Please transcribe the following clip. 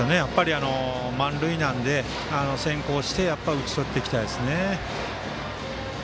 満塁なので、先行して打ちとっていきたいですよね。